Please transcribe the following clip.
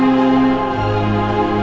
jangan kaget pak dennis